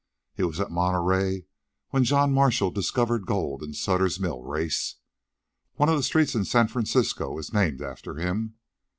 He was at Monterey when John Marshall discovered gold in Sutter's mill race. One of the streets in San Francisco is named after him."